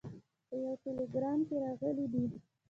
په یوه ټلګرام کې راغلي دي.